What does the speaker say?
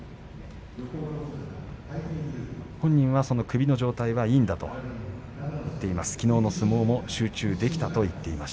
本人は首の状態はいいんだと言っています。